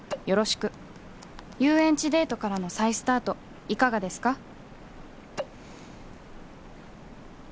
「よろしく」「遊園地デートからの再スタートいかがですか？」